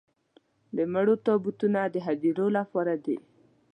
د مړو تابوتونه د هديرو لپاره دي.